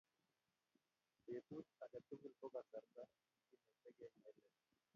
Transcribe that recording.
petut age tugul ko kasarta ne kinetigei nelel